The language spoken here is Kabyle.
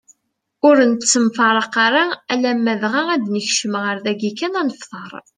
Ur nettemfraq ara alamm dɣa ad nekcem ɣer dagi kan ad nefteṛ.